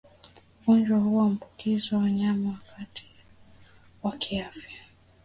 Ugonjwa huu huambukiza wanyama wazima kiafya kutoka kwa wanyama wagonjwa kupitia kwa kugusana Wanyama